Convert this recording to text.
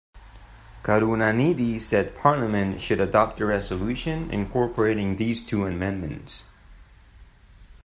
Karunanidhi said Parliament should adopt the resolution incorporating these two amendments.